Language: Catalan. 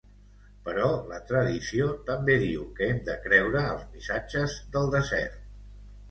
Però la Tradició també diu que hem de creure els missatges del desert.